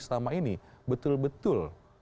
selama ini betul betul